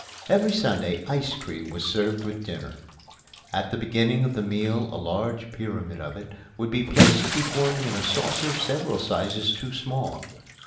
Every Sunday ice cream was served with dinner. At the beginning of the meal a large pyramid of it would be placed before me in a saucer several sizes too small.